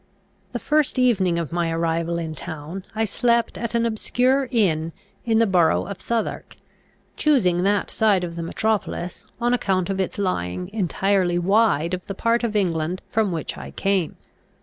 The first evening of my arrival in town I slept at an obscure inn in the borough of Southwark, choosing that side of the metropolis, on account of its lying entirely wide of the part of England from which I came.